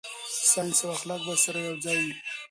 ساينس او اخلاق باید سره یوځای وي.